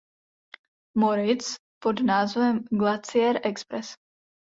Moritz pod názvem Glacier Express.